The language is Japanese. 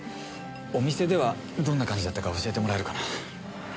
お店ではどんな感じだったか教えてもらえるかな。